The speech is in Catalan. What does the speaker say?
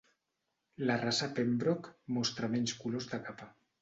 La raça Pembroke mostra menys colors de capa.